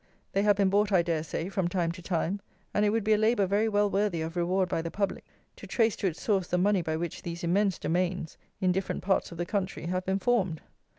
They have been bought, I dare say, from time to time; and it would be a labour very well worthy of reward by the public, to trace to its source the money by which these immense domains, in different parts of the country, have been formed!